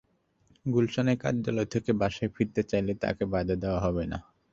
গুলশানের কার্যালয় থেকে বাসায় ফিরতে চাইলে তাঁকে বাধা দেওয়া হবে না।